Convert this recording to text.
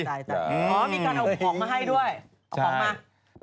อ๋อมีการเอาของมาให้ด้วย